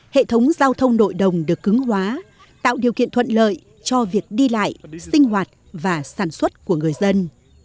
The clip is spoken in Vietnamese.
hệ thống giao thông nội đồng được cứng hóa tạo điều kiện thuận lợi cho việc đi lại sinh hoạt và sản xuất của người dân